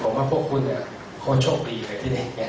ผมว่าพวกคุณเขาโชคดีเลยที่ใด